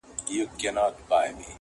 ځناور يې له لكيو بېرېدله.!